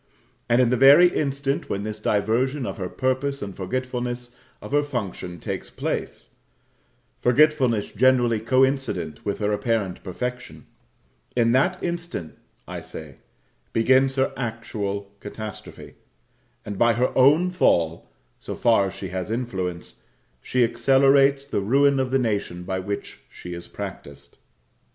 And in the very instant when this diversion of her purpose and forgetfulness of her function take place forgetfulness generally coincident with her apparent perfection in that instant, I say, begins her actual catastrophe; and by her own fall so far as she has influence she accelerates the ruin of the nation by which she is practised.